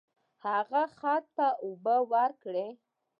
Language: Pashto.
هغه خر ته اوبه ورکړې.